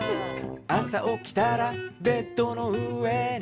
「朝おきたらベッドの上に」